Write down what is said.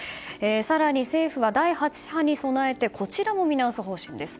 更に、政府は第８波に備えてこちらも見直す方針です。